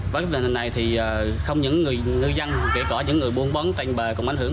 với vấn đề này thì không những người ngư dân kể cả những người buôn bón thanh bà cũng ánh hưởng